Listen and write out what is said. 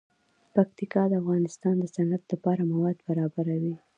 پکتیکا د افغانستان د صنعت لپاره مواد برابروي.